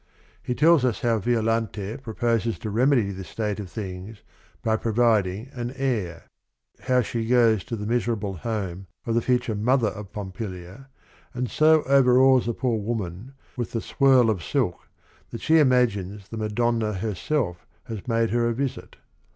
He tells us how Violante proposes to remedy this state of things by providing an heir; how she goes to the miser able home of the future mother of Pompilia, and so overawes the poor woman with the "swirl of silk" that she imagines the Madonna herself has made her a visit.